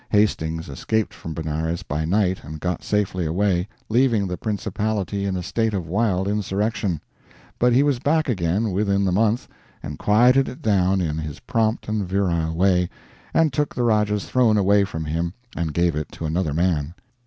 Hastings escaped from Benares by night and got safely away, leaving the principality in a state of wild insurrection; but he was back again within the month, and quieted it down in his prompt and virile way, and took the Rajah's throne away from him and gave it to another man.